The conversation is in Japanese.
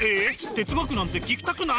哲学なんて聞きたくない？